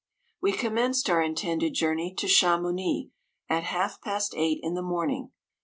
We commenced our intended journey to Chamouni at half past eight in the morning.